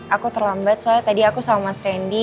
aku terlambat soalnya tadi aku sama mas randy